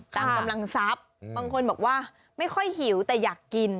กำลังทรัพย์บางคนบอกว่าไม่ค่อยหิวแต่อยากกิน